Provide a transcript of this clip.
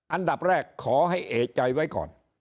อันดับแรกขอให้เอกใจไว้ก่อน